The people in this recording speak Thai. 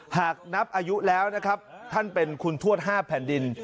หากนับอายุแล้วนะครับท่านเป็นคุณทวด๕แผ่นดิน